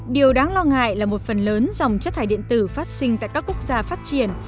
điều đáng lo ngại là một phần lớn dòng chất thải điện tử phát sinh tại các quốc gia phát triển